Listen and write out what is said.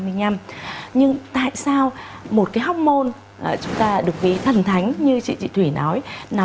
nhưng tại sao một cái hormone chúng ta được ghi thần thánh như chị thủy nói